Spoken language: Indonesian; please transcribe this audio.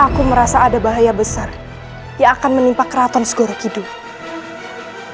aku merasa ada bahaya besar yang akan menimpa keraton segoro kidul